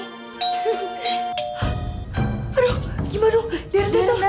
aduh gimana dong darren datang